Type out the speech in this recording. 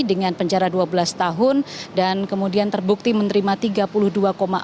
dengan penjara dua belas tahun dan kemudian terbukti menerima tiga puluh dua empat miliar rupiah uang fee atau swap